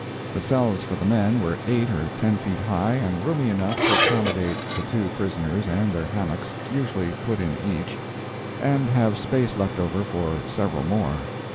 The cells for the men were eight or ten feet high, and roomy enough to accommodate the two prisoners and their hammocks, usually put in each, and have space left for several more.